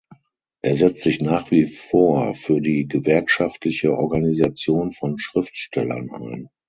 Er setzt sich nach wie vor für die gewerkschaftliche Organisation von Schriftstellern ein.